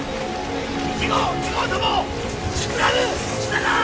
１号２号ともスクラムしたな！